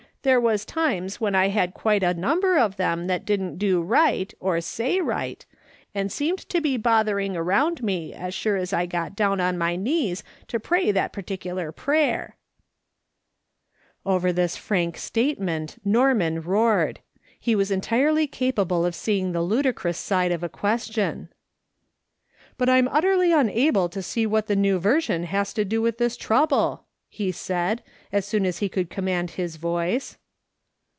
There was times when I had quite a number of them that didn't do right, or say right, and seemed to be bothering around me as sure as I got down on my knees to pray that particular prayer !" Over this frank statement Norman roared. He was entirely capable of seeing the ludicrous side of a question. "But I'm utterly unable to see what the New Version has to do with this trouble," he said, as soon as he could command his voice.